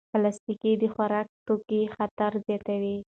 پلاستیک د خوراکي توکو خطر زیاتوي.